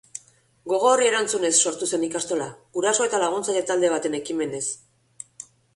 Gogo horri erantzunez sortu zen ikastola, guraso eta laguntzaile talde baten ekimenez.